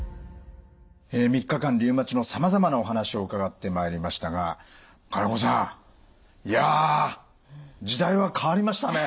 ３日間リウマチのさまざまなお話を伺ってまいりましたが金子さんいや時代は変わりましたね！